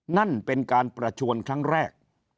นั่นเป็นการประชวนครั้งแรก